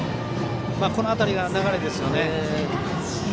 この辺りが流れですよね。